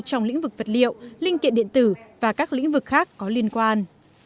trong lĩnh vực vật liệu linh kiện điện tử và các lĩnh vực khác có liên quan